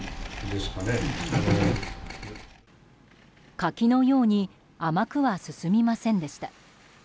柿のように甘くは進みませんでした。